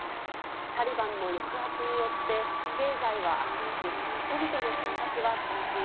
タリバンの抑圧によって、経済は悪化し、人々の生活は困窮。